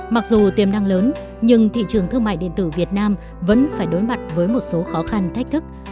mặc dù tiềm năng lớn nhưng thị trường thương mại điện tử việt nam vẫn phải đối mặt với một số khó khăn thách thức